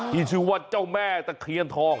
ที่ชื่อว่าเจ้าแม่ตะเคียนทอง